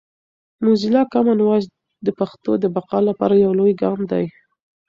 موزیلا کامن وایس د پښتو د بقا لپاره یو لوی ګام دی.